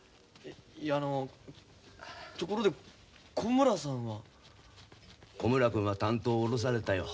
いやあのところで小村さんは？小村くんは担当を降ろされたよ。